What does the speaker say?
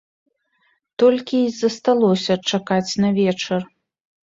Толькі й засталося чакаць на вечар.